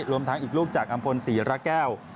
รวมทั้งอีกลูกจากอัมพล๔ละแก้ว